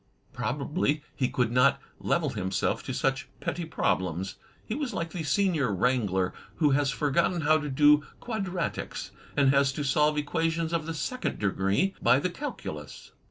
Probably he could not level himself to such petty problems. He was like the senior wrangler who has forgotten how to do quadratics, and has to solve equations of the second degree by the calculus.